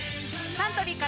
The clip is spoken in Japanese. サントリーから